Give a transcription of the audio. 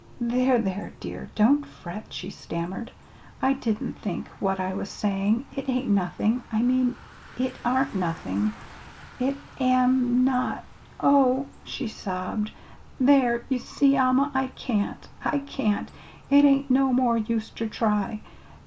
"There, there, dear, don't fret," she stammered. "I didn't think what I was sayin'. It ain't nothin' I mean, it aren't nothin' it am not oh h!" she sobbed; "there, ye see, Alma, I can't, I can't. It ain't no more use ter try!"